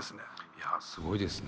いやすごいですね。